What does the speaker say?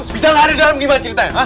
bisa lari dalam gimana ceritanya